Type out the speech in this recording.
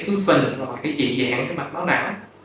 cúi phình hoặc là cái trị dạng cái mặt máu não